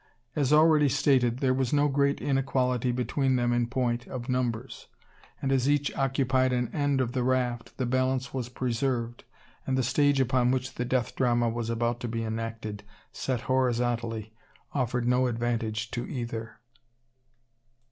As already stated, there was no great inequality between them in point of numbers; and as each occupied an end of the raft, the balance was preserved, and the stage upon which the death drama was about to be enacted set horizontally offered no advantage to either.